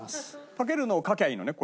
かけるのを書きゃいいのね